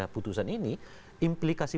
putusan ini implikasi